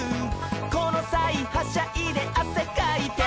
「このさいはしゃいであせかいて」